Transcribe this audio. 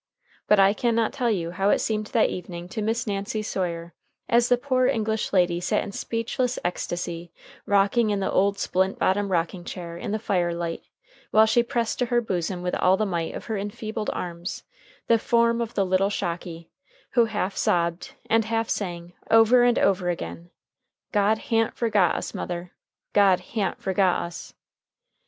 But I can not tell you how it seemed that evening to Miss Nancy Sawyer, as the poor English lady sat in speechless ecstacy, rocking in the old splint bottomed rocking chair in the fire light, while she pressed to her bosom with all the might of her enfeebled arms, the form of the little Shocky, who half sobbed and half sang, over and over again, "God ha'n't forgot us, mother; God ha'n't forgot us."